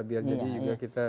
biar jadi juga kita